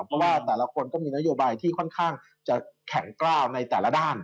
เพราะว่าแต่ละคนก็มีนโยบายที่ค่อนข้างจะแข็งกล้าวในแต่ละด้าน